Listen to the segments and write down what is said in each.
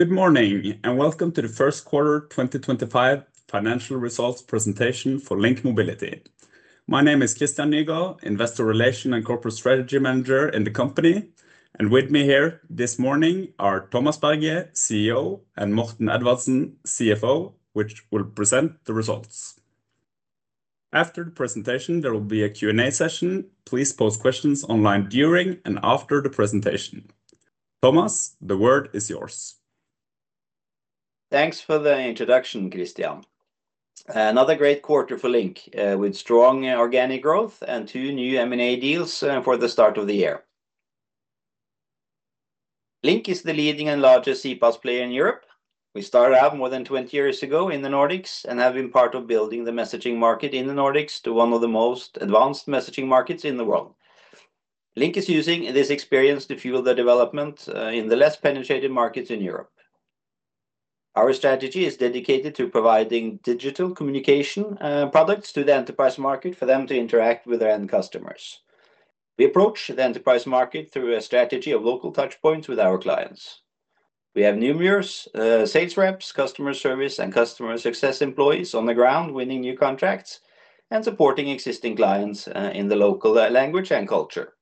Good morning and welcome to the first quarter 2025 financial results presentation for LINK Mobility. My name is Christian Nygaard, Investor Relations and Corporate Strategy Manager in the company, and with me here this morning are Thomas Berge, CEO, and Morten Edvardsen, CFO, who will present the results. After the presentation, there will be a Q&A session. Please post questions online during and after the presentation. Thomas, the word is yours. Thanks for the introduction, Christian. Another great quarter for LINK, with strong organic growth and two new M&A deals for the start of the year. LINK is the leading and largest CPaaS player in Europe. We started out more than 20 years ago in the Nordics and have been part of building the messaging market in the Nordics to one of the most advanced messaging markets in the world. LINK is using this experience to fuel the development in the less penetrated markets in Europe. Our strategy is dedicated to providing digital communication products to the enterprise market for them to interact with their end customers. We approach the enterprise market through a strategy of local touchpoints with our clients. We have numerous sales reps, customer service, and customer success employees on the ground, winning new contracts and supporting existing clients in the local language and culture.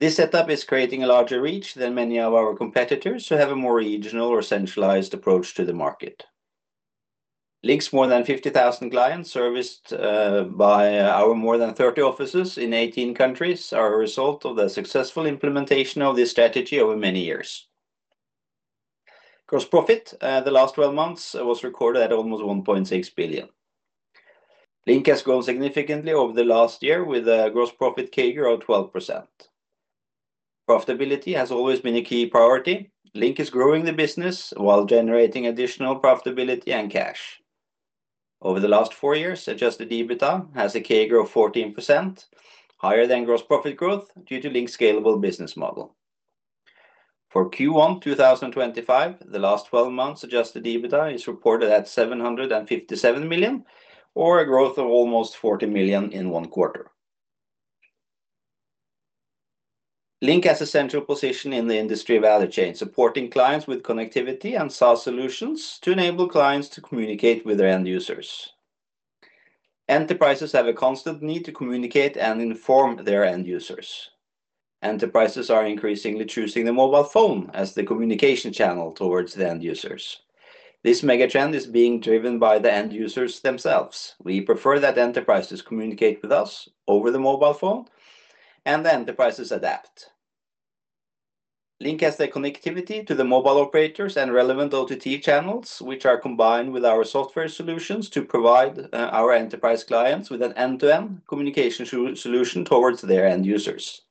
This setup is creating a larger reach than many of our competitors, who have a more regional or centralized approach to the market. LINK's more than 50,000 clients serviced by our more than 30 offices in 18 countries are a result of the successful implementation of this strategy over many years. Gross profit the last 12 months was recorded at almost 1.6 billion. LINK has grown significantly over the last year with a gross profit CAGR of 12%. Profitability has always been a key priority. LINK is growing the business while generating additional profitability and cash. Over the last four years, adjusted EBITDA has a CAGR of 14%, higher than gross profit growth due to LINK's scalable business model. For Q1 2025, the last 12 months' adjusted EBITDA is reported at 757 million, or a growth of almost 40 million in one quarter. LINK has a central position in the industry value chain, supporting clients with connectivity and SaaS solutions to enable clients to communicate with their end users. Enterprises have a constant need to communicate and inform their end users. Enterprises are increasingly choosing the mobile phone as the communication channel towards the end users. This mega trend is being driven by the end users themselves. We prefer that enterprises communicate with us over the mobile phone, and the enterprises adapt. LINK has the connectivity to the mobile operators and relevant OTT channels, which are combined with our software solutions to provide our enterprise clients with an end-to-end communication solution towards their end users.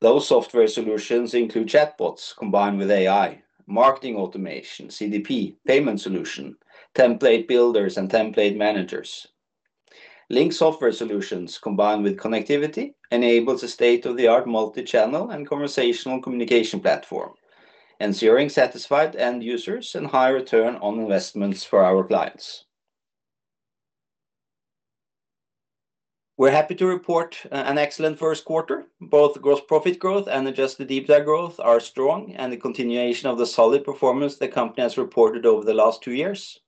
Those software solutions include chatbots combined with AI, marketing automation, CDP, payment solution, template builders, and template managers. LINK software solutions combined with connectivity enable a state-of-the-art multi-channel and conversational communication platform, ensuring satisfied end users and high return on investments for our clients. We're happy to report an excellent first quarter. Both gross profit growth and adjusted EBITDA growth are strong, and the continuation of the solid performance the company has reported over the last two years.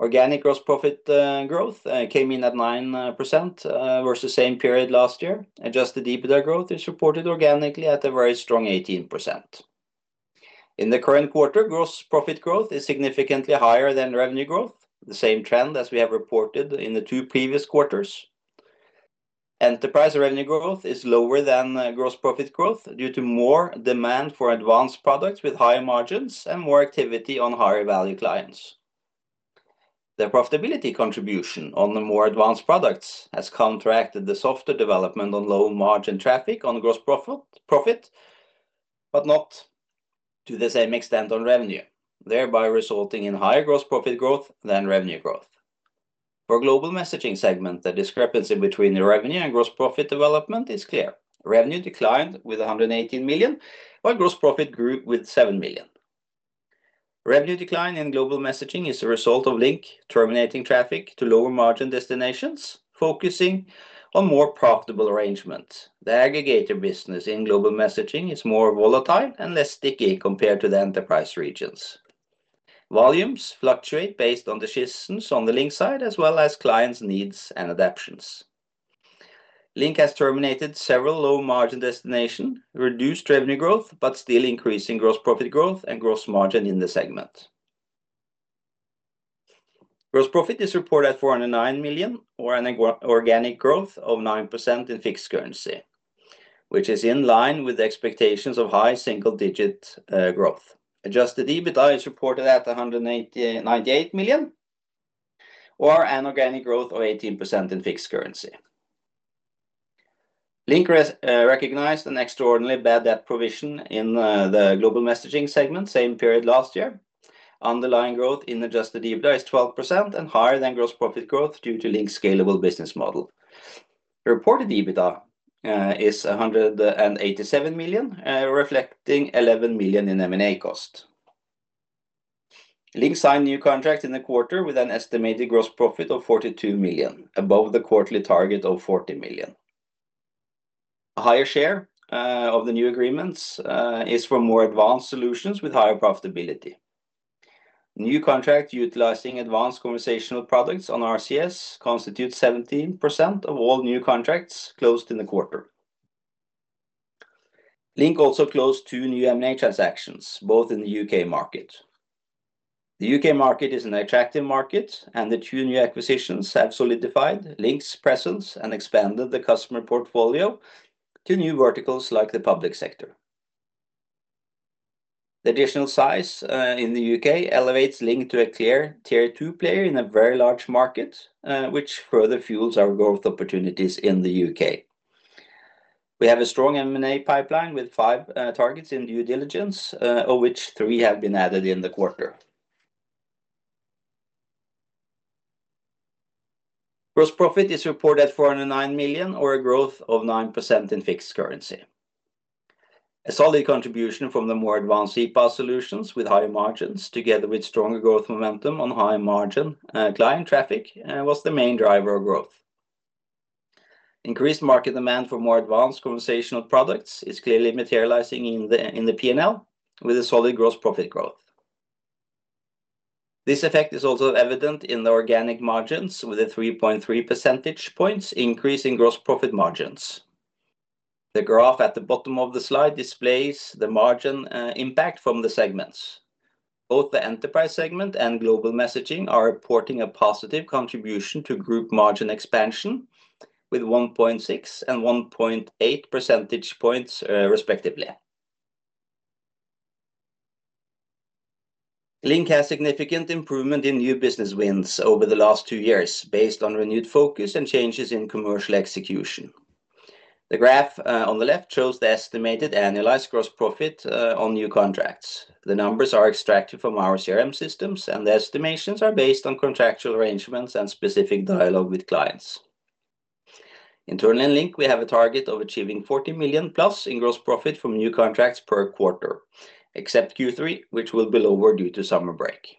Organic gross profit growth came in at 9% versus the same period last year. Adjusted EBITDA growth is reported organically at a very strong 18%. In the current quarter, gross profit growth is significantly higher than revenue growth, the same trend as we have reported in the two previous quarters. Enterprise revenue growth is lower than gross profit growth due to more demand for advanced products with higher margins and more activity on higher value clients. The profitability contribution on the more advanced products has contracted the software development on low-margin traffic on gross profit, but not to the same extent on revenue, thereby resulting in higher gross profit growth than revenue growth. For the global messaging segment, the discrepancy between the revenue and gross profit development is clear. Revenue declined with 118 million, while gross profit grew with 7 million. Revenue decline in global messaging is a result of LINK terminating traffic to lower margin destinations, focusing on more profitable arrangements. The aggregator business in global messaging is more volatile and less sticky compared to the enterprise regions. Volumes fluctuate based on decisions on the LINK side, as well as clients' needs and adaptions. LINK has terminated several low-margin destinations, reduced revenue growth, but still increasing gross profit growth and gross margin in the segment. Gross profit is reported at 409 million, or an organic growth of 9% in fixed currency, which is in line with expectations of high single-digit growth. Adjusted EBITDA is reported at 198 million, or an organic growth of 18% in fixed currency. LINK recognized an extraordinary bad debt provision in the global messaging segment, same period last year. Underlying growth in adjusted EBITDA is 12% and higher than gross profit growth due to LINK's scalable business model. Reported EBITDA is 187 million, reflecting 11 million in M&A cost. LINK signed new contracts in the quarter with an estimated gross profit of 42 million, above the quarterly target of 40 million. A higher share of the new agreements is for more advanced solutions with higher profitability. New contracts utilizing advanced conversational products on RCS constitute 17% of all new contracts closed in the quarter. LINK also closed two new M&A transactions, both in the U.K. market. The U.K. market is an attractive market, and the two new acquisitions have solidified LINK's presence and expanded the customer portfolio to new verticals like the public sector. The additional size in the U.K. elevates LINK to a clear tier two player in a very large market, which further fuels our growth opportunities in the U.K. We have a strong M&A pipeline with five targets in due diligence, of which three have been added in the quarter. Gross profit is reported at 409 million, or a growth of 9% in fixed currency. A solid contribution from the more advanced CPaaS solutions with high margins, together with stronger growth momentum on high-margin client traffic, was the main driver of growth. Increased market demand for more advanced conversational products is clearly materializing in the P&L, with a solid gross profit growth. This effect is also evident in the organic margins, with a 3.3 percentage points increase in gross profit margins. The graph at the bottom of the slide displays the margin impact from the segments. Both the enterprise segment and global messaging are reporting a positive contribution to group margin expansion, with 1.6 and 1.8 percentage points, respectively. LINK has significant improvement in new business wins over the last two years, based on renewed focus and changes in commercial execution. The graph on the left shows the estimated annualized gross profit on new contracts. The numbers are extracted from our CRM systems, and the estimations are based on contractual arrangements and specific dialogue with clients. Internal in LINK, we have a target of achieving 40 million plus in gross profit from new contracts per quarter, except Q3, which will be lower due to summer break.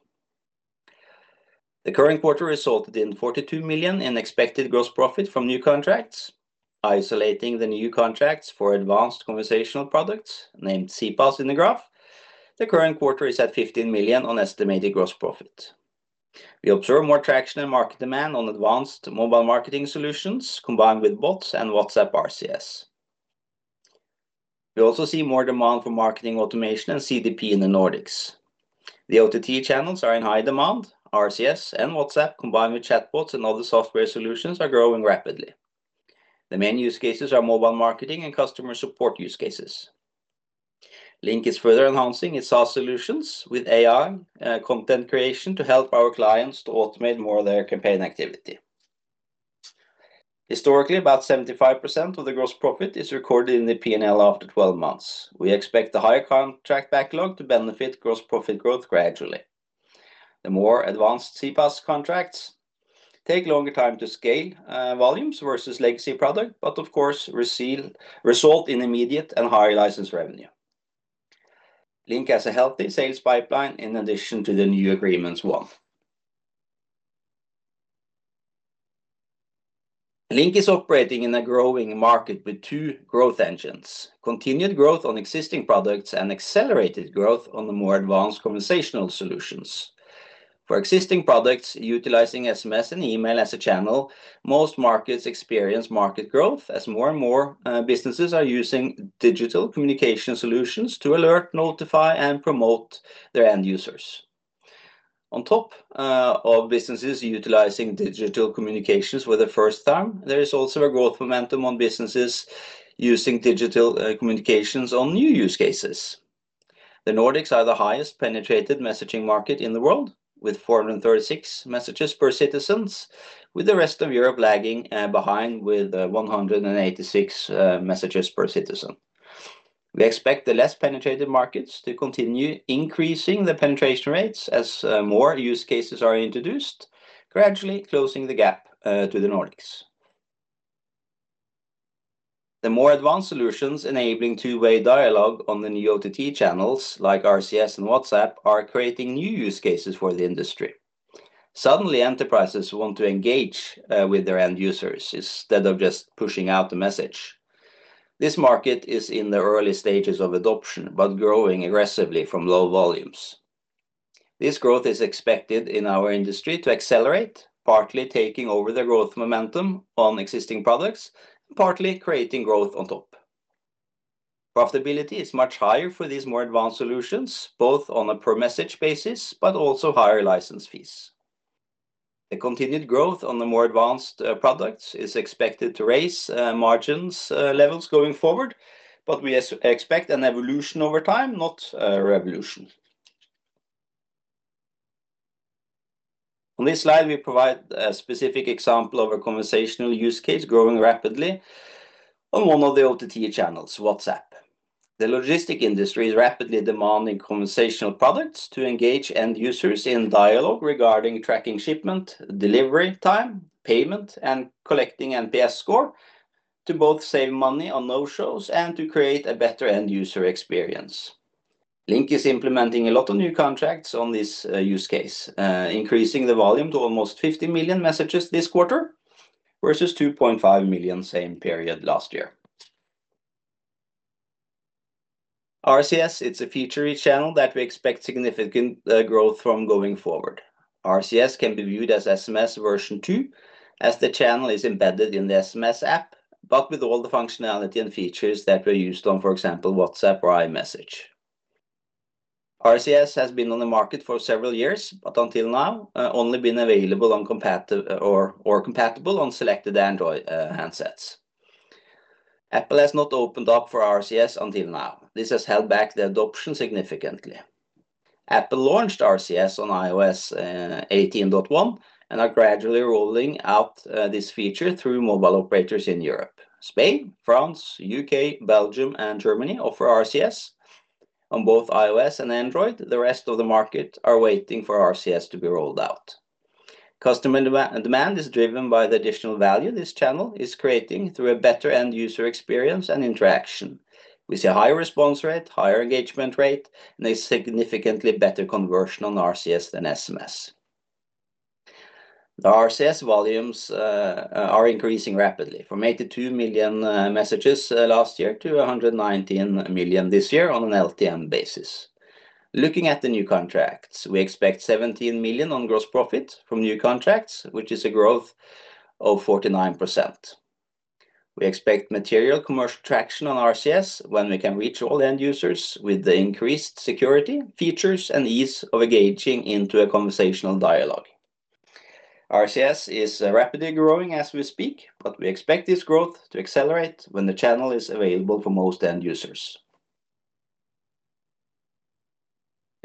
The current quarter resulted in 42 million in expected gross profit from new contracts. Isolating the new contracts for advanced conversational products, named CPaaS in the graph, the current quarter is at 15 million on estimated gross profit. We observe more traction and market demand on advanced mobile marketing solutions, combined with bots and WhatsApp RCS. We also see more demand for marketing automation and CDP in the Nordics. The OTT channels are in high demand. RCS and WhatsApp, combined with chatbots and other software solutions, are growing rapidly. The main use cases are mobile marketing and customer support use cases. LINK is further enhancing its SaaS solutions with AI content creation to help our clients to automate more of their campaign activity. Historically, about 75% of the gross profit is recorded in the P&L after 12 months. We expect the higher contract backlog to benefit gross profit growth gradually. The more advanced CPaaS contracts take longer time to scale volumes versus legacy products, but of course result in immediate and higher license revenue. LINK has a healthy sales pipeline in addition to the new agreements one. LINK is operating in a growing market with two growth engines: continued growth on existing products and accelerated growth on the more advanced conversational solutions. For existing products utilizing SMS and eMail as a channel, most markets experience market growth as more and more businesses are using digital communication solutions to alert, notify, and promote their end users. On top of businesses utilizing digital communications for the first time, there is also a growth momentum on businesses using digital communications on new use cases. The Nordics are the highest penetrated messaging market in the world, with 436 messages per citizen, with the rest of Europe lagging behind with 186 messages per citizen. We expect the less penetrated markets to continue increasing the penetration rates as more use cases are introduced, gradually closing the gap to the Nordics. The more advanced solutions enabling two-way dialogue on the new OTT channels like RCS and WhatsApp are creating new use cases for the industry. Suddenly, enterprises want to engage with their end users instead of just pushing out the message. This market is in the early stages of adoption, but growing aggressively from low volumes. This growth is expected in our industry to accelerate, partly taking over the growth momentum on existing products and partly creating growth on top. Profitability is much higher for these more advanced solutions, both on a per-message basis, but also higher license fees. The continued growth on the more advanced products is expected to raise margins levels going forward, but we expect an evolution over time, not a revolution. On this slide, we provide a specific example of a conversational use case growing rapidly on one of the OTT channels, WhatsApp. The logistics industry is rapidly demanding conversational products to engage end users in dialogue regarding tracking shipment, delivery time, payment, and collecting NPS score to both save money on no-shows and to create a better end user experience. LINK is implementing a lot of new contracts on this use case, increasing the volume to almost 50 million messages this quarter versus 2.5 million same period last year. RCS, it's a feature channel that we expect significant growth from going forward. RCS can be viewed as SMS version 2, as the channel is embedded in the SMS app, but with all the functionality and features that were used on, for example, WhatsApp or iMessage. RCS has been on the market for several years, but until now, only been available on compatible or or compatible on selected Android handsets. Apple has not opened up for RCS until now. This has held back the adoption significantly. Apple launched RCS on iOS 18.1 and are gradually rolling out this feature through mobile operators in Europe. Spain, France, the U.K., Belgium, and Germany offer RCS on both iOS and Android. The rest of the market are waiting for RCS to be rolled out. Customer demand is driven by the additional value this channel is creating through a better end user experience and interaction. We see a higher response rate, higher engagement rate, and a significantly better conversion on RCS than SMS. The RCS volumes are increasing rapidly, from 82 million messages last year to 119 million this year on an LTM basis. Looking at the new contracts, we expect 17 million on gross profit from new contracts, which is a growth of 49%. We expect material commercial traction on RCS when we can reach all end users with the increased security features and ease of engaging into a conversational dialogue. RCS is rapidly growing as we speak, but we expect this growth to accelerate when the channel is available for most end users.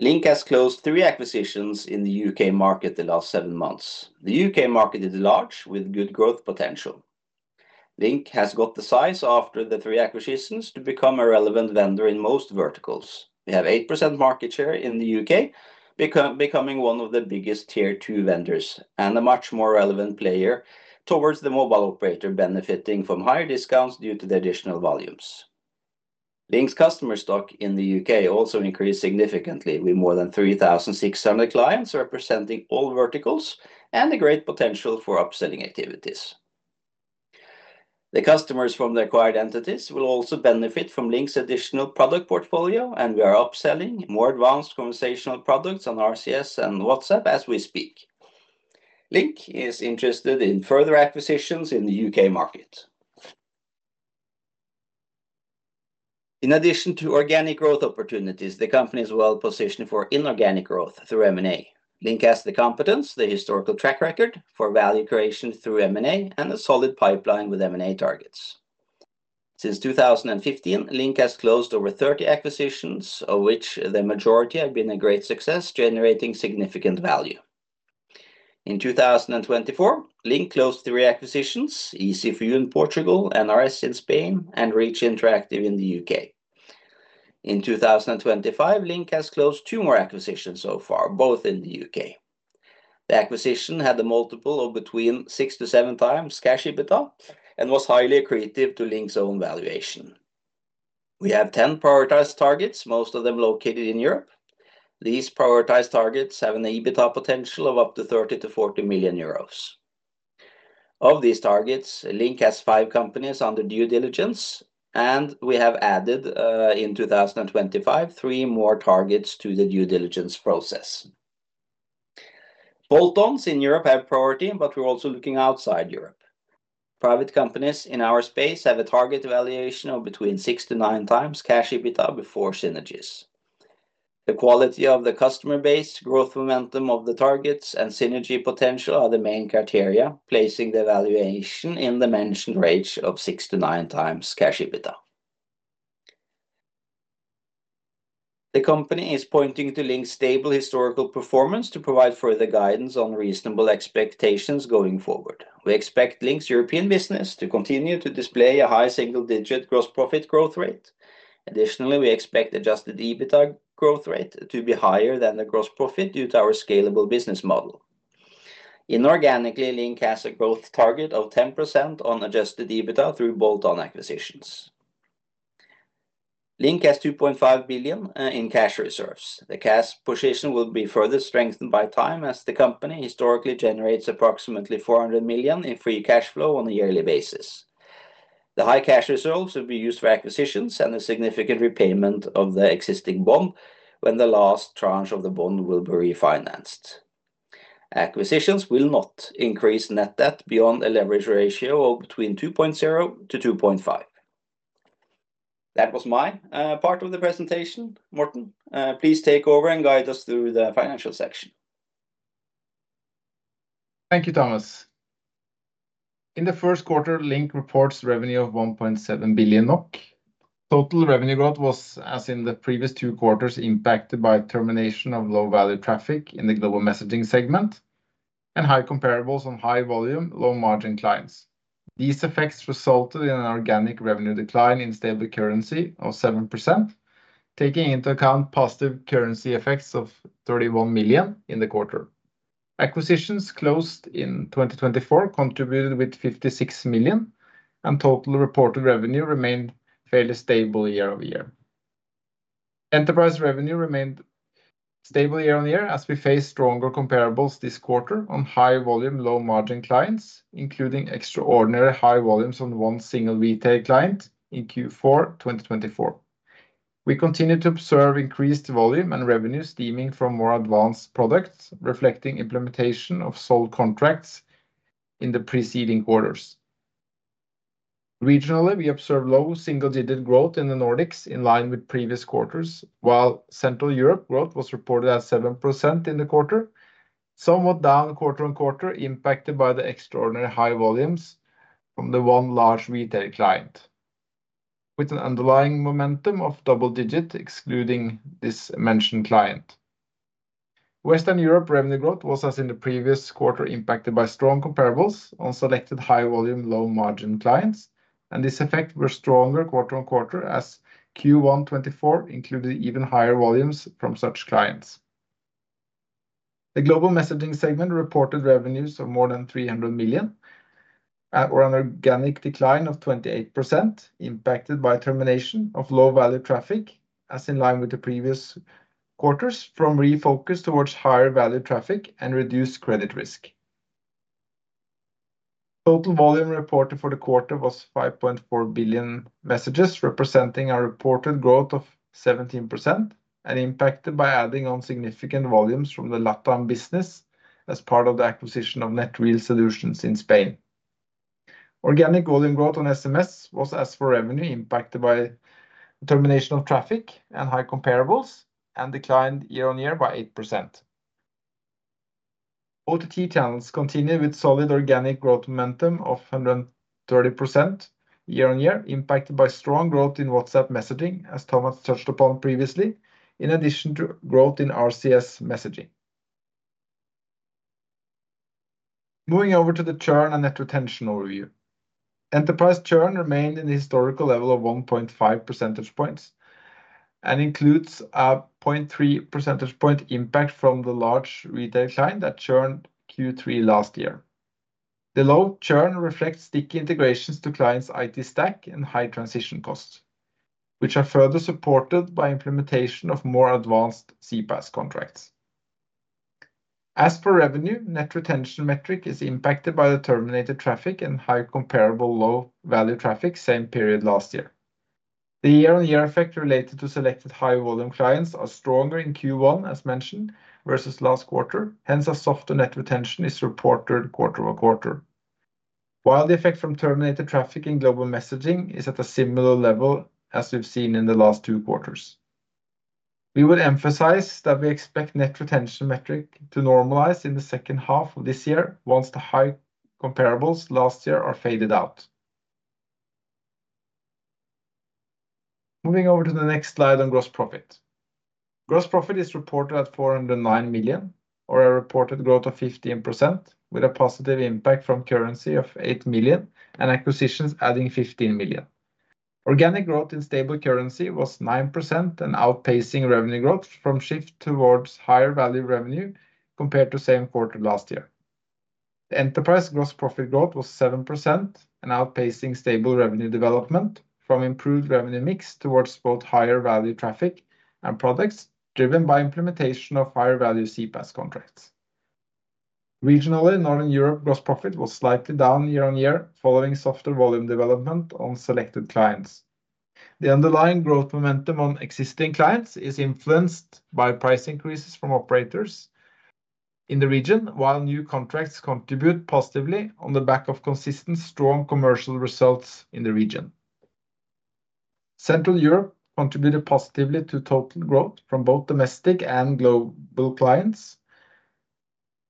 LINK has closed three acquisitions in the U.K. market the last seven months. The U.K. market is large with good growth potential. LINK has got the size after the three acquisitions to become a relevant vendor in most verticals. We have 8% market share in the U.K., becoming one of the biggest tier two vendors and a much more relevant player towards the mobile operator, benefiting from higher discounts due to the additional volumes. LINK's customer stock in the U.K. also increased significantly, with more than 3,600 clients representing all verticals and a great potential for upselling activities. The customers from the acquired entities will also benefit from LINK's additional product portfolio, and we are upselling more advanced conversational products on RCS and WhatsApp as we speak. LINK is interested in further acquisitions in the U.K. market. In addition to organic growth opportunities, the company is well positioned for inorganic growth through M&A. LINK has the competence, the historical track record for value creation through M&A, and a solid pipeline with M&A targets. Since 2015, LINK has closed over 30 acquisitions, of which the majority have been a great success, generating significant value. In 2024, LINK closed three acquisitions: EZ4U in Portugal, RS in Spain, and Reach Interactive in the U.K. In 2025, LINK has closed two more acquisitions so far, both in the U.K. The acquisition had a multiple of between 6-7 times cash EBITDA and was highly accretive to LINKs own valuation. We have 10 prioritized targets, most of them located in Europe. These prioritized targets have an EBITDA potential of up to 30-40 million euros. Of these targets, LINK has five companies under due diligence, and we have added in 2025 three more targets to the due diligence process. Boltons in Europe have priority, but we're also looking outside Europe. Private companies in our space have a target valuation of between six- to nine-times cash EBITDA before synergies. The quality of the customer base, growth momentum of the targets, and synergy potential are the main criteria, placing the valuation in the mentioned range of six- to nine-times cash EBITDA. The company is pointing to LINK's stable historical performance to provide further guidance on reasonable expectations going forward. We expect LINK's European business to continue to display a high single-digit gross profit growth rate. Additionally, we expect adjusted EBITDA growth rate to be higher than the gross profit due to our scalable business model. Inorganically, LINK has a growth target of 10% on adjusted EBITDA through bolt-on acquisitions. LINK has 2.5 million in cash reserves. The cash position will be further strengthened by time as the company historically generates approximately 400 million in free cash flow on a yearly basis. The high cash reserves will be used for acquisitions and a significant repayment of the existing bond when the last tranche of the bond will be refinanced. Acquisitions will not increase net debt beyond a leverage ratio of between 2.0-2.5. That was my part of the presentation. Morten, please take over and guide us through the financial section. Thank you, Thomas. In the first quarter, LINK reports revenue of 1.7 billion NOK. Total revenue growth was, as in the previous two quarters, impacted by termination of low-value traffic in the global messaging segment and high comparables on high-volume, low-margin clients. These effects resulted in an organic revenue decline in stable currency of 7%, taking into account positive currency effects of 31 million in the quarter. Acquisitions closed in 2024 contributed with 56 million, and total reported revenue remained fairly stable year-over-year. Enterprise revenue remained stable year on year as we faced stronger comparables this quarter on high-volume, low-margin clients, including extraordinary high volumes on one single retail client in Q4 2024. We continue to observe increased volume and revenue stemming from more advanced products, reflecting implementation of sold contracts in the preceding quarters. Regionally, we observe low single-digit growth in the Nordics in line with previous quarters, while Central Europe growth was reported as 7% in the quarter, somewhat down quarter on quarter, impacted by the extraordinary high volumes from the one large retail client, with an underlying momentum of double digit excluding this mentioned client. Western Europe revenue growth was, as in the previous quarter, impacted by strong comparables on selected high-volume, low-margin clients, and this effect was stronger quarter on quarter as Q1 2024 included even higher volumes from such clients. The global messaging segment reported revenues of more than 300 million or an organic decline of 28%, impacted by termination of low-value traffic, as in line with the previous quarters, from refocus towards higher-value traffic and reduced credit risk. Total volume reported for the quarter was 5.4 billion messages, representing a reported growth of 17% and impacted by adding on significant volumes from the LATAM business as part of the acquisition of NetWheel Solutions in Spain. Organic volume growth on SMS was, as for revenue, impacted by termination of traffic and high comparables and declined year on year by 8%. OTT channels continue with solid organic growth momentum of 130% year on year, impacted by strong growth in WhatsApp messaging, as Thomas touched upon previously, in addition to growth in RCS messaging. Moving over to the Churn and net retention overview. Enterprise Churn remained in the historical level of 1.5 percentage points and includes a 0.3 percentage point impact from the large retail client that Churned Q3 last year. The low Churn reflects sticky integrations to clients' IT stack and high transition costs, which are further supported by implementation of more advanced CPaaS contracts. As for revenue, net retention metric is impacted by the terminated traffic and high comparable low-value traffic same period last year. The year on year effect related to selected high-volume clients is stronger in Q1, as mentioned, versus last quarter. Hence, a softer net retention is reported quarter on quarter, while the effect from terminated traffic in global messaging is at a similar level as we've seen in the last two quarters. We would emphasize that we expect net retention metric to normalize in the second half of this year once the high comparables last year are faded out. Moving over to the next slide on gross profit. Gross profit is reported at 409 million, or a reported growth of 15%, with a positive impact from currency of 8 million and acquisitions adding 15 million. Organic growth in stable currency was 9% and outpacing revenue growth from shift towards higher-value revenue compared to same quarter last year. The enterprise gross profit growth was 7% and outpacing stable revenue development from improved revenue mix towards both higher-value traffic and products driven by implementation of higher-value CPaaS contracts. Regionally, Northern Europe gross profit was slightly down year on year following softer volume development on selected clients. The underlying growth momentum on existing clients is influenced by price increases from operators in the region, while new contracts contribute positively on the back of consistent strong commercial results in the region. Central Europe contributed positively to total growth from both domestic and global clients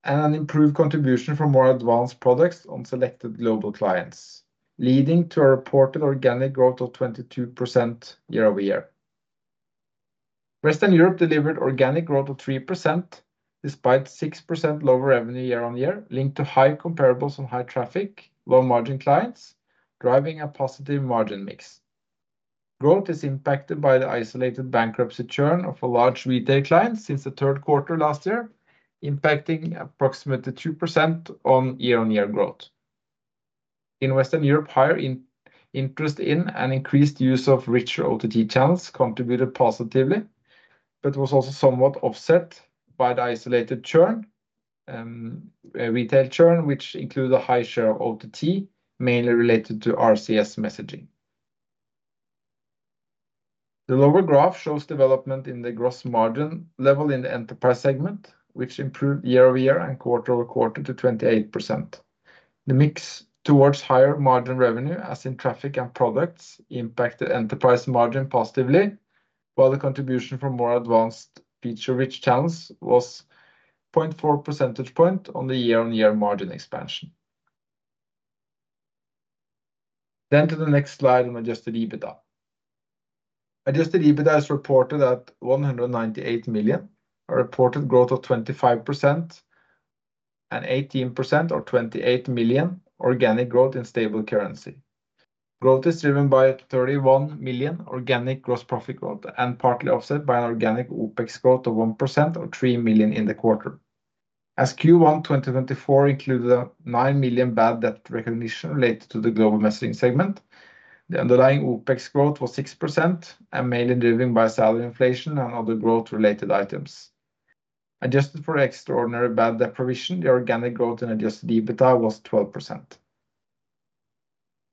and an improved contribution from more advanced products on selected global clients, leading to a reported organic growth of 22% year over year. Western Europe delivered organic growth of 3% despite 6% lower revenue year on year, linked to high comparables on high traffic, low-margin clients, driving a positive margin mix. Growth is impacted by the isolated bankruptcy Churn of a large retail client since the third quarter last year, impacting approximately 2% on year on year growth. In Western Europe, higher interest in and increased use of richer OTT channels contributed positively, but was also somewhat offset by the isolated Churn, retail Churn, which included a high share of OTT, mainly related to RCS messaging. The lower graph shows development in the gross margin level in the enterprise segment, which improved year over year and quarter over quarter to 28%. The mix towards higher margin revenue, as in traffic and products, impacted enterprise margin positively, while the contribution from more advanced feature-rich channels was 0.4 percentage point on the year on year margin expansion. To the next slide on adjusted EBITDA. Adjusted EBITDA is reported at 198 million, a reported growth of 25%, and 18% or 28 million organic growth in stable currency. Growth is driven by 31 million organic gross profit growth and partly offset by an organic OpEx growth of 1% or 3 million in the quarter. As Q1 2024 included a 9 million bad debt recognition related to the global messaging segment, the underlying OpEx growth was 6% and mainly driven by salary inflation and other growth-related items. Adjusted for extraordinary bad debt provision, the organic growth in adjusted EBITDA was 12%.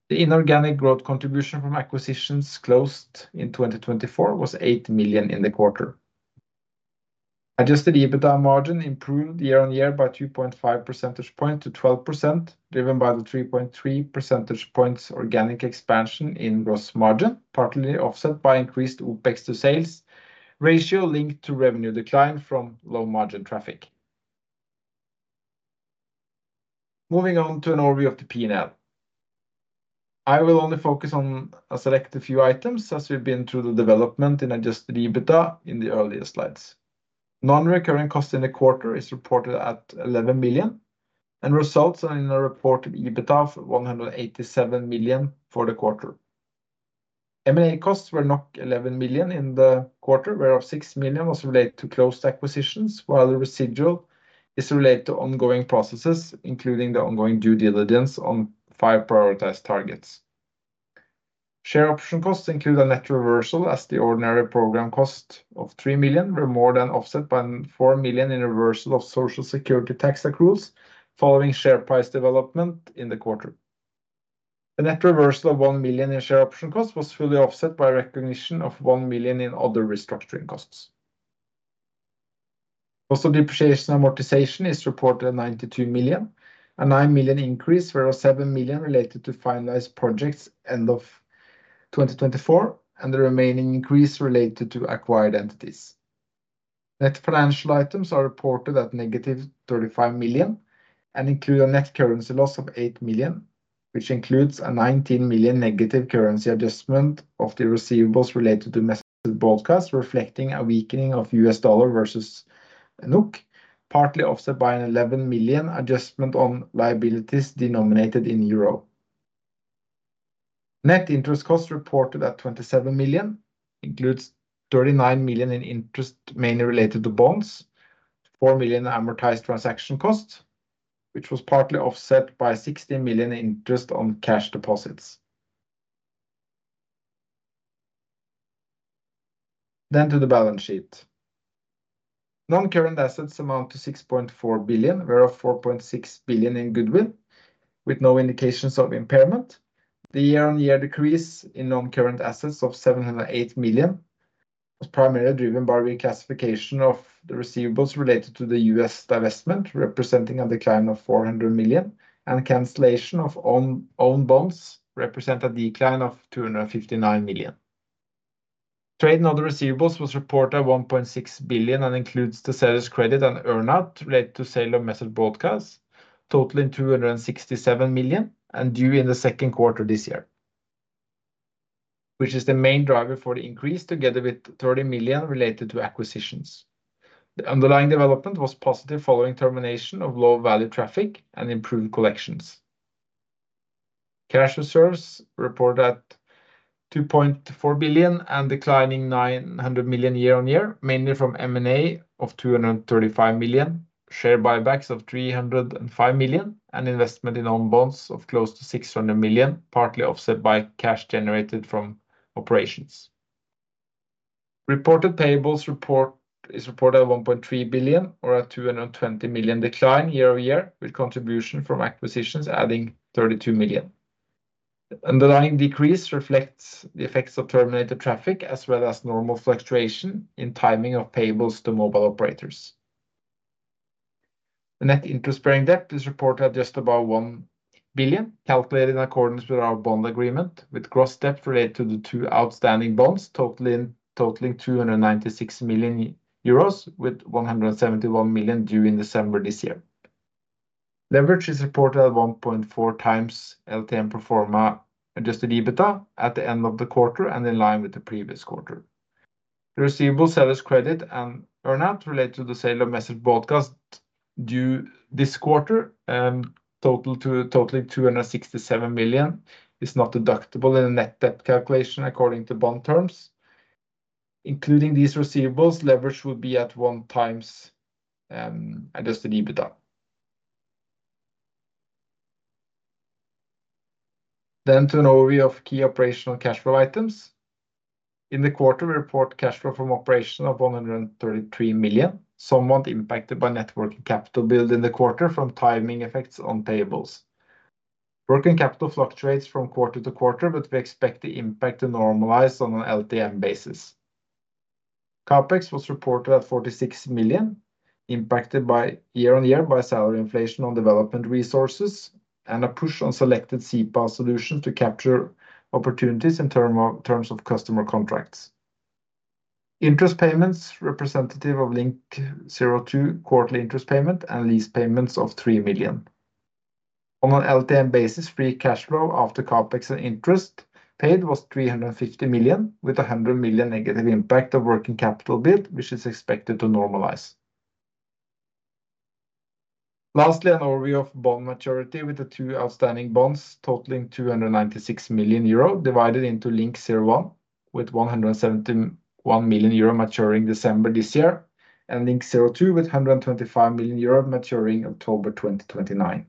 The inorganic growth contribution from acquisitions closed in 2024 was 8 million in the quarter. Adjusted EBITDA margin improved year on year by 2.5 percentage points to 12%, driven by the 3.3 percentage points organic expansion in gross margin, partly offset by increased OpEx to sales ratio linked to revenue decline from low-margin traffic. Moving on to an overview of the P&L. I will only focus on a selected few items as we've been through the development in adjusted EBITDA in the earlier slides. Non-recurring cost in the quarter is reported at 11 million and results in a reported EBITDA of 187 million for the quarter. M&A costs were 11 million in the quarter, where 6 million was related to closed acquisitions, while the residual is related to ongoing processes, including the ongoing due diligence on five prioritized targets. Share option costs include a net reversal, as the ordinary program cost of 3 million were more than offset by 4 million in reversal of Social Security tax accruals following share price development in the quarter. The net reversal of 1 million in share option costs was fully offset by recognition of 1 million in other restructuring costs. Cost of depreciation amortization is reported at 92 million. A 9 million increase was 7 million related to finalized projects end of 2024 and the remaining increase related to acquired entities. Net financial items are reported at negative 35 million and include a net currency loss of 8 million, which includes a 19 million negative currency adjustment of the receivables related to Message Broadcast, reflecting a weakening of US dollar versus NOK, partly offset by a 11 million adjustment on liabilities denominated in EUR. Net interest cost reported at 27 million includes 39 million in interest, mainly related to bonds, 4 million amortized transaction cost, which was partly offset by 16 million in interest on cash deposits. Then to the balance sheet. Non-current assets amount to 6.4 billion, where 4.6 billion in goodwill, with no indications of impairment. The year on year decrease in non-current assets of 708 million was primarily driven by reclassification of the receivables related to the U.S. divestment, representing a decline of 400 million, and cancellation of own own bonds, representing a decline of 259 million. Trade and other receivables was reported at 1.6 billion and includes the seller's credit and earn-out related to sale of Message Broadcast, totaling 267 million and due in the second quarter this year, which is the main driver for the increase, together with 30 million related to acquisitions. The underlying development was positive following termination of low-value traffic and improved collections. Cash reserves reported at 2.4 billion and declining 900 million year on year, mainly from M&A of 235 million, share buybacks of 305 million, and investment in own bonds of close to 600 million, partly offset by cash generated from operations. Reported payables report is reported at 1.3 billion, or a 220 million decline year over year, with contribution from acquisitions adding 32 million. The underlying decrease reflects the effects of terminated traffic, as well as normal fluctuation in timing of payables to mobile operators. The net interest-bearing debt is reported at just above 1 billion, calculated in accordance with our bond agreement, with gross debt related to the two outstanding bonds totaling totaling 296 million euros, with 171 million due in December this year. Leverage is reported at 1.4 times LTM proforma adjusted EBITDA at the end of the quarter and in line with the previous quarter. The receivable seller's credit and earn-out related to the sale of Message Broadcast due this quarter, totaling 267 million, is not deductible in the net debt calculation according to bond terms. Including these receivables, leverage would be at 1 times adjusted EBITDA. Then to an overview of key operational cash flow items. In the quarter, we report cash flow from operation of 133 million, somewhat impacted by net working capital build in the quarter from timing effects on payables. Working capital fluctuates from quarter to quarter, but we expect the impact to normalize on an LTM basis. CapEx was reported at 46 million, impacted year on year by salary inflation on development resources and a push on selected CPaaS solutions to capture opportunities in term of in terms of customer contracts. Interest payments representative of LINK's Q2 quarterly interest payment and lease payments of 3 million. On an LTM basis, free cash flow after CapEx and interest paid was 350 million, with a 100 million negative impact of working capital build, which is expected to normalize. Lastly, an overview of bond maturity with the two outstanding bonds totaling 296 million euro divided into LINK 01, with 171 million euro maturing December this year and LINK 02 with 125 million euro maturing October 2029,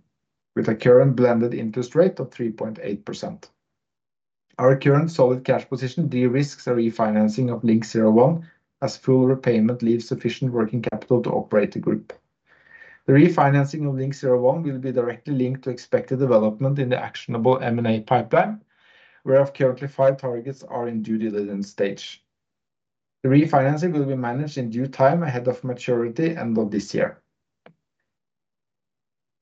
with a current blended interest rate of 3.8%. Our current solid cash position de-risks a refinancing of LINK 01 as full repayment leaves sufficient working capital to operate the group. The refinancing of LINK 01 will be directly linked to expected development in the actionable M&A pipeline, where currently five targets are in due diligence stage. The refinancing will be managed in due time ahead of maturity end of this year.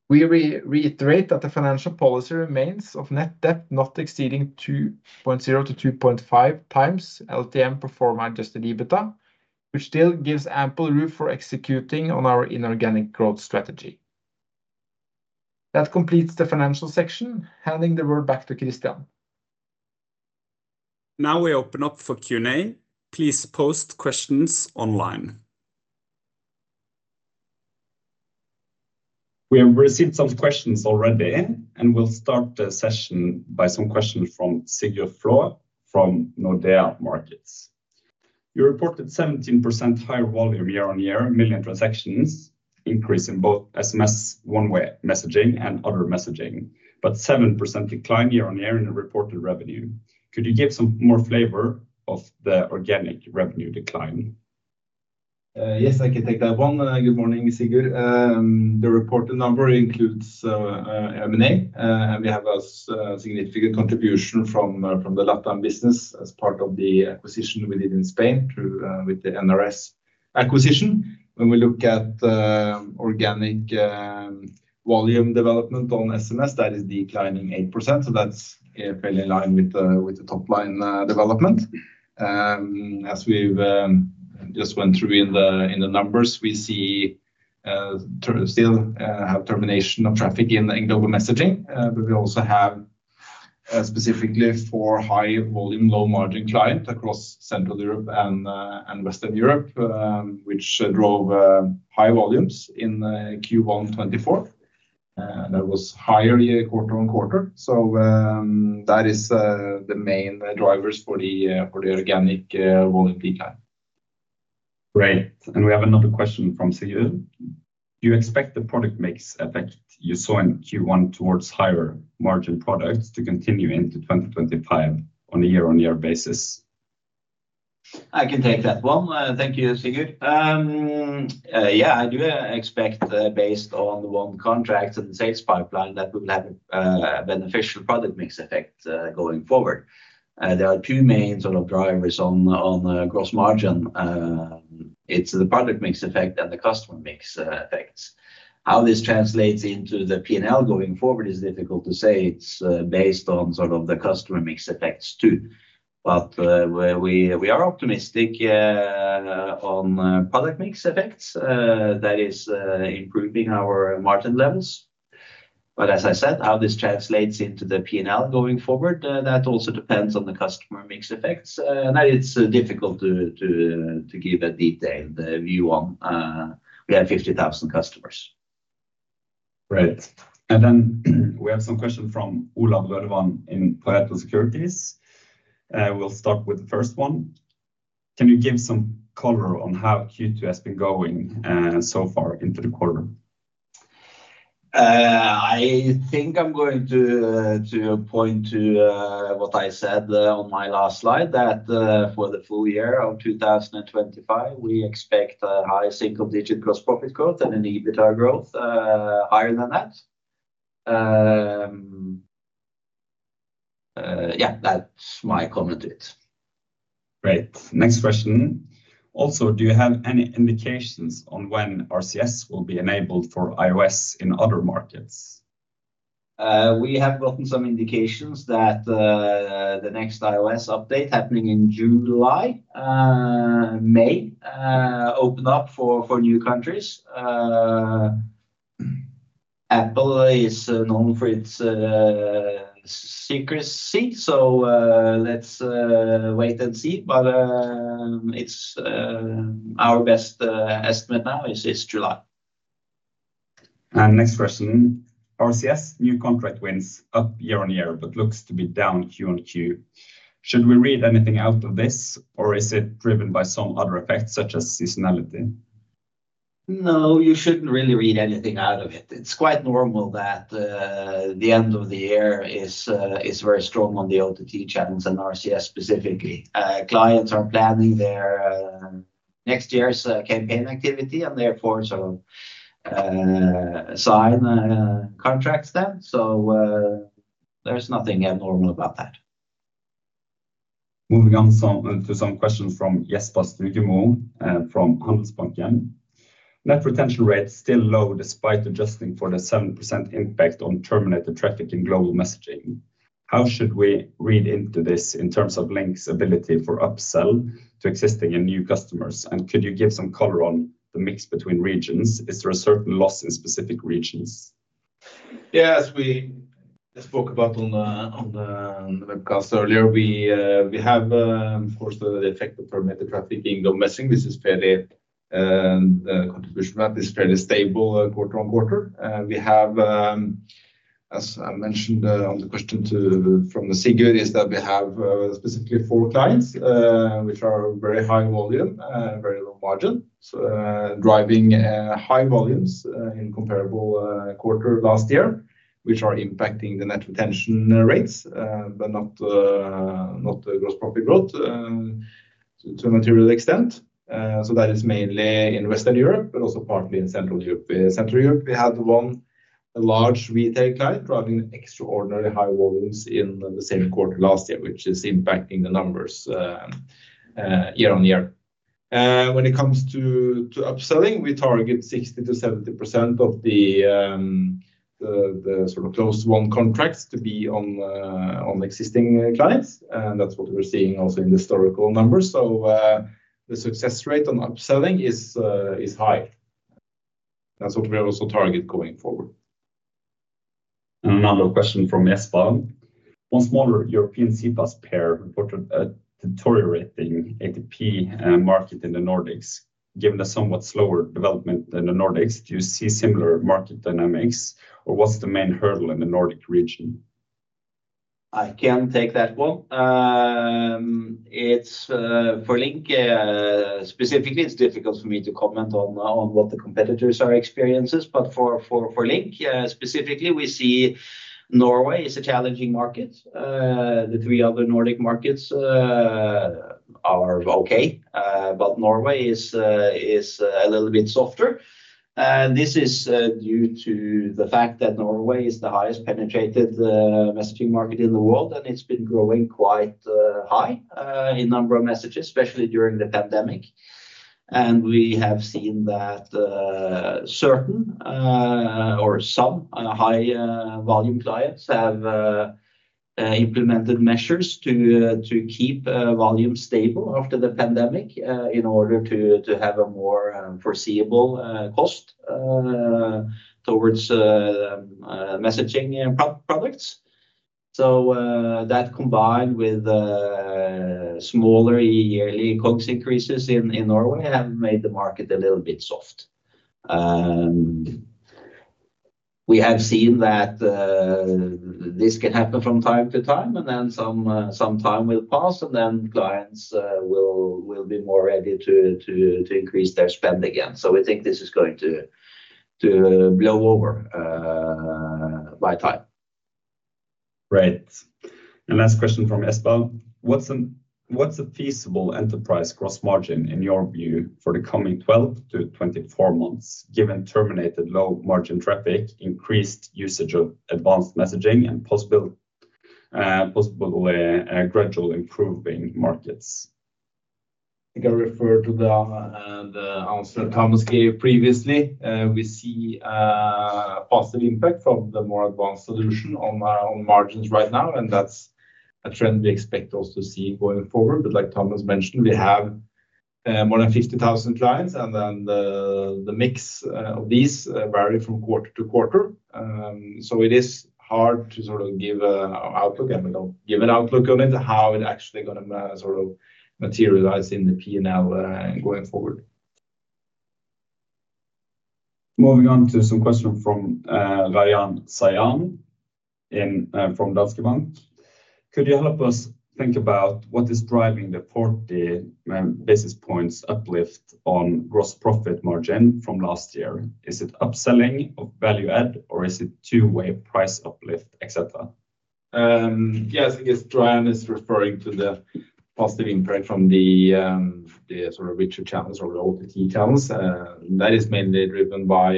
We we reiterate that the financial policy remains of net debt not exceeding 2.0-2.5 times LTM proforma adjusted EBITDA, which still gives ample room for executing on our inorganic growth strategy. That completes the financial section. Handing the word back to Christian. Now we open up for Q&A. Please post questions online. We have received some questions already, and we'll start the session by some questions from Sigurður Flór from Nordea Markets. You reported 17% higher volume year on year, million transactions increase in both SMS one-way messaging and other messaging, but 7% decline year on year in the reported revenue. Could you give some more flavor of the organic revenue decline? Yes, I can take that one. Good morning, Sigurður. The reported number includes M&A, and we have a significant contribution from the LATAM business as part of the acquisition we did in Spain with the RS acquisition. When we look at, organic, volume development on SMS, that is declining 8%. So that's fairly in line with the with the top line development. And as we've just went through in the numbers, we see we still have termination of traffic in global messaging, but we also have, specifically for high volume, low margin client across Central Europe and Western Europe, which drove high volumes in Q1 2024. That was higher quarter on quarter. So that is the main drivers for the organic volume decline. Great. We have another question from Sigurður. Do you expect the product mix effect you saw in Q1 towards higher margin products to continue into 2025 on a year on year basis? I can take that one. Thank you, Sigurður. Yeah, I do expect, based on the one contract and the sales pipeline, that we will have a beneficial product mix effect going forward. There are two main sort of drivers on gross margin. It's the product mix effect and the customer mix effects. How this translates into the P&L going forward is difficult to say. It's based on some of the customer mix effects too. But we we are optimistic, on product mix effects. That is improving our margin levels. But as I said, how this translates into the P&L going forward, that also depends on the customer mix effects. Now it is difficult to to give a detailed view on. We have 50,000 customers. Great. And then we have some questions from Olav Rørvang in Pareto Securities. We'll start with the first one. Can you give some color on how Q2 has been going so far into the quarter? I think I'm going to point to what I said on my last slide, that for the full year of 2025, we expect a high single-digit gross profit growth and an EBITDA growth higher than that. Yeah, that's my comment to it. Great. Next question. Also, do you have any indications on when RCS will be enabled for iOS in other markets? We have gotten some indications that the next iOS update happening in June July may open up for new countries. Apple is known for its secrecy, so let's wait and see. But it's our best estimate now is is July. Next question. RCS new contract wins up year on year, but looks to be down Q on Q. Should we read anything out of this, or is it driven by some other effects such as seasonality? No, you shouldn't really read anything out of it. It's quite normal that the end of the year is very strong on the OTT channels and RCS specifically. Clients are planning their next year's campaign activity and therefore sort of sign contracts then. There is nothing abnormal about that. Moving on to some questions from Jesper Stygemo from Handelsbanken. Net retention rate still low despite adjusting for the 7% impact on terminated traffic in global messaging. How should we read into this in terms of LINK's ability for upsell to existing and new customers? And could you give some color on the mix between regions? Is there a certain loss in specific regions? Yes, we spoke about on the webcast earlier. We we have, of course, the effect of terminated traffic in global messaging. This is contribution that is fairly stable quarter on quarter. We have, as I mentioned on the question to from Sigurður, that we have specifically four clients which are very high volume, very low margin, driving high volumes in comparable quarter last year, which are impacting the net retention rates, but not the gross profit growth to a material extent. That is mainly in Western Europe, but also partly in Central Europe. Central Europe, we had one large retail client driving extraordinary high volumes in the same quarter last year, which is impacting the numbers year on year. When it comes to upselling, we target 60-70% of the sort of close to one contracts to be on existing clients. That is what we are seeing also in the historical numbers. The success rate on upselling is high. That is what we also target going forward. Another question from Jesper. One smaller European CPaaS player reported a deteriorating ATP market in the Nordics. Given the somewhat slower development in the Nordics, do you see see similar market dynamics, or what's the main hurdle in the Nordic region? I can take that one. I'ts for LINK specifically, it's difficult for me to comment on what the competitors are experiencing. But for for LINK specifically, we see Norway is a challenging market. The three other Nordic markets are okay, but Norway is a little bit softer. And this is due to the fact that Norway is the highest penetrated messaging market in the world, and it's been growing quite high in number of messages, especially during the pandemic. And we have seen that certain, or some high volume clients have implemented measures to keep volume stable after the pandemic in order to have a more foreseeable cost towards messaging products. So that combined with smaller yearly COGS increases in Norway have made the market a little bit soft. And we have seen that this can happen from time to time, and then some some time will pass, and then clients will be more ready to to increase their spend again. So we think this is going to blow over by time. Great. Last question from Jesper. What's what's a feasible enterprise gross margin in your view for the coming 12-24 months, given terminated low margin traffic, increased usage of advanced messaging, and possible possible gradual improving markets? I think I referred to the answer Thomas gave previously. We see a positive impact from the more advanced solution on on margins right now, and that's a trend we expect also to see going forward. Like Thomas mentioned, we have more than 50,000 clients, and then the mix of these vary from quarter to quarter, so it is hard to sort of give an outlook, and we don't give an outlook on it, how it actually going to sort of materialize in the P&L going forward. Moving on to some questions from Rayan Sayyan from Danske Bank. Could you help us think about what is driving the 40 basis points uplift on gross profit margin from last year? Is it upselling of value add, or is it two-way price uplift, etc.? Yeah, I think Rayan is referring to the positive impact from the the sort of richer channels or the OTT channels. That is mainly driven by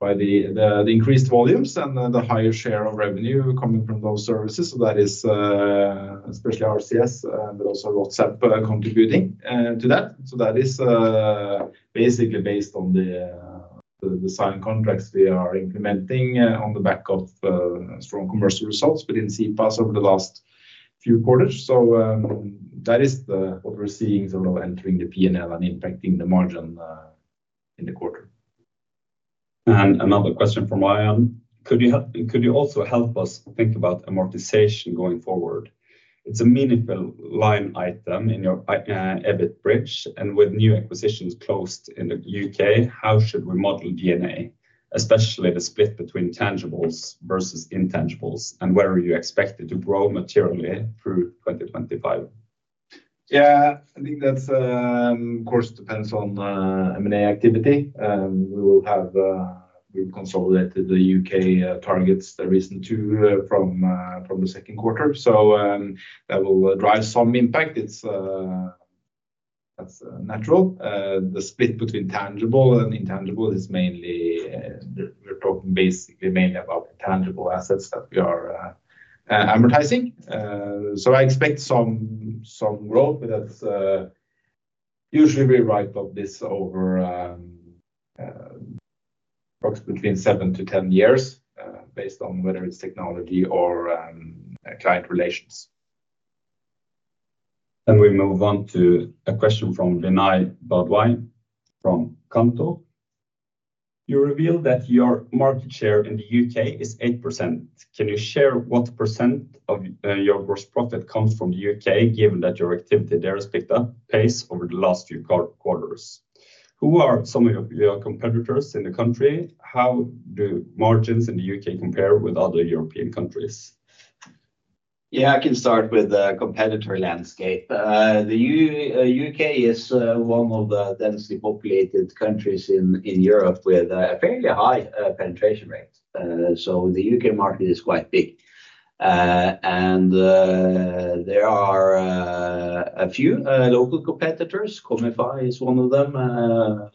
by the the increased volumes and the higher share of revenue coming from those services. That is especially RCS, but also WhatsApp contributing to that. So that is basically based on the on design contracts we are implementing on the back of strong commercial results within CPaaS over the last few quarters. So that is what we're seeing sort of entering the P&L and impacting the margin in the quarter. Another question from Rayan. Could could you also help us think about amortization going forward? It's a meaningful line item in your EBIT bridge, and with new acquisitions closed in the U.K., how should we model D&A, especially the split between tangibles versus intangibles, and where are you expected to grow materially through 2025? Yeah, I think that, of course, depends on M&A activity. We will have, we've consolidated the U.K. targets there recently from, from the second quarter. So that will drive some impact. It's, that's natural. The split between tangible and intangible is mainly, we're talking basically mainly about the tangible assets that we are amortizing. So I expect some growth, but that's, usually we write off this over approximately between 7-10 years, based on whether it's technology or client relations. And we move on to a question from Vinay Bhadwaj from Cantor. You revealed that your market share in the U.K. is 8%. Can you share what % of your gross profit comes from the U.K., given that your activity there has picked up pace over the last few quarters? Who are some of your competitors in the country? How do margins in the U.K. compare with other European countries? Yeah, I can start with the competitor landscape. The U.K. is one of the densely populated countries in Europe with a fairly high penetration rate. And so the U.K. market is quite big. And there are a few local competitors. Commify is one of them,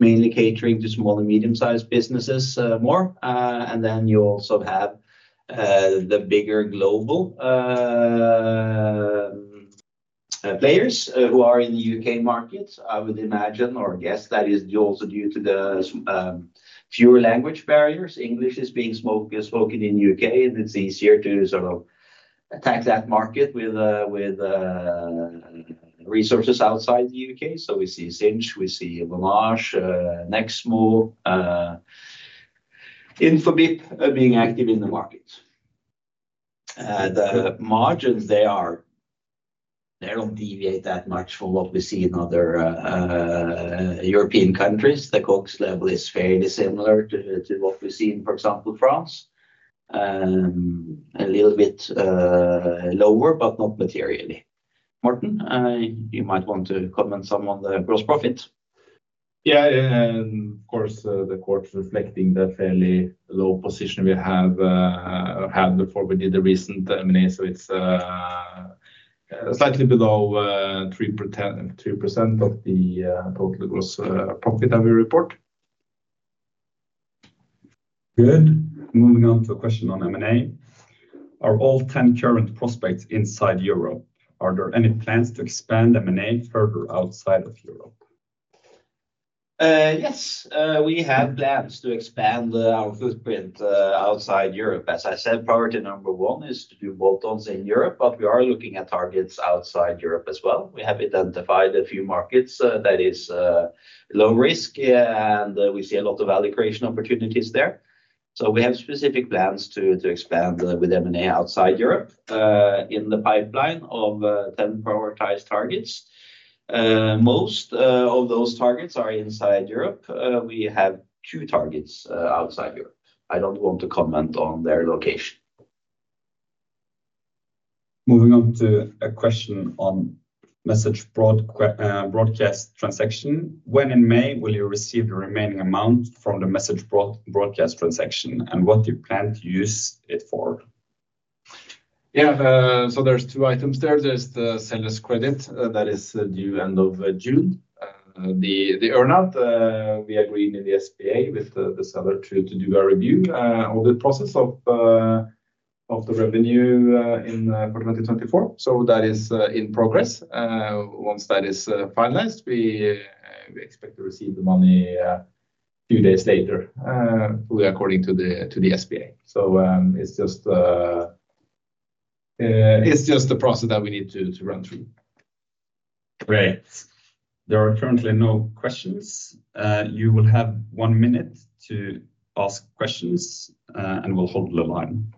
mainly catering to small and medium-sized businesses more. And then you also have the bigger global players who are in the U.K. market. I would imagine or guess that is also due to the fewer language barriers. English is being spoken in the U.K., and it's easier to sort of attack that market with a with a resource s outside the U.K. So we see Sinch, we see Vonage, Nexmo, Infobip being active in the market. The margins, they are, they do not deviate that much from what we see in other European countries. The COGS level is fairly similar to what we've seen, for example, France. A little bit lower, but not materially. Martin, you might want to comment some on the gross profit. Yeah, and of course, the quarter reflecting the fairly low position we have had before we did the recent M&A. So it's slightly below 3% of the total gross profit that we report. Good. Moving on to a question on M&A. Are all 10 current prospects inside Europe? Are there any plans to expand M&A further outside of Europe? Yes, we have plans to expand our footprint outside Europe. As I said, priority number one is to do bolt-ons in Europe, but we are looking at targets outside Europe as well. We have identified a few markets that is low risk, and we see a lot of value creation opportunities there. We have specific plans to expand with M&A outside Europe in the pipeline of 10 prioritized targets. Most of those targets are inside Europe. We have two targets outside Europe. I don't want to comment on their location. Moving on to a question on Message Broadcast transaction. When in May will you receive the remaining amount from the Message Broadcast transaction, and what do you plan to use it for? Yeah, so there's two items there. There's the seller's credit that is due end of June. The earn-out, we agreed in the SPA with the the seller to do a review of the process of the revenue in for 2024. So that is in progress. Once that is finalized, we we expect to receive the money a few days later, according to the to the SPA. So it's just it's just the process that we need to to run through. Great. There are currently no questions. You will have one minute to ask questions, and we'll hold the line.